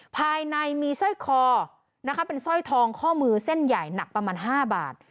ภายในมีสร้อยคอนะคะเป็นสร้อยทองข้อมือเส้นใหญ่หนักประมาณ๕บาท